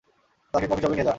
তাকে কফি শপে নিয়ে যা।